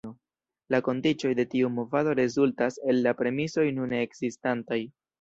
La kondiĉoj de tiu movado rezultas el la premisoj nune ekzistantaj".